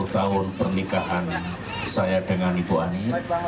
empat puluh tahun pernikahan saya dengan ibu andi